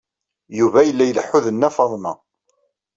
Yuba yella ileḥḥu d Nna Faḍma.